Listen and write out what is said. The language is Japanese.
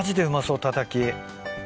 たたき。